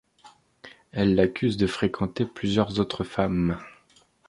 Elle l’accuse de fréquenter plusieurs autres femmes.